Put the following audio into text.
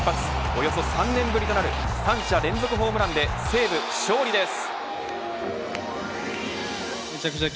およそ３年ぶりとなる３者連続ホームランで西武、勝利です。